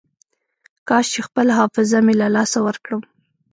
کاش چې خپله حافظه مې له لاسه ورکړم.